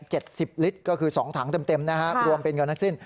สิบลิตรก็คือสองถังเต็มเต็มนะฮะรวมเป็นเงินทั้งสิ้น